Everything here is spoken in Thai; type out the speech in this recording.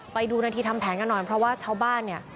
ไปดูนาทีทำแผนกันหน่อยเพราะว่าชาวบ้านเนี่ย